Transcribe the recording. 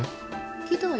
聞いたわよ